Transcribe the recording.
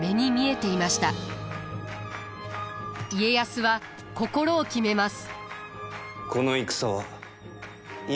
家康は心を決めます。